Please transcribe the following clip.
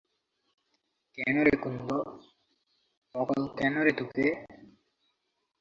কেন রে কুন্দ, বকল কেন রে তোকে?